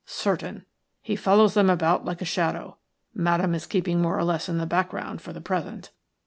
"Certain. He follows them about like a shadow. Madame is keeping more or less in the background for the present.